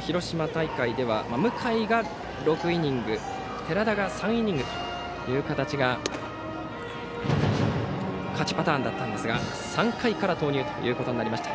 広島大会では向井が６イニング寺田が３イニングという形が勝ちパターンでしたが３回から投入となりました。